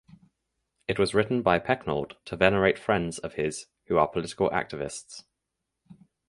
It was written by Pecknold to venerate friends of his who are political activists.